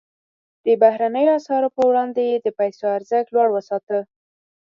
د بهرنیو اسعارو پر وړاندې یې د پیسو ارزښت لوړ وساته.